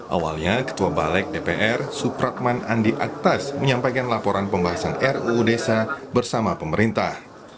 awalnya ketua balik dpr supratman andi aktas menyampaikan laporan pembahasan ruu desa bersama pemerintah